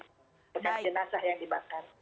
bukan jenazah yang dibakar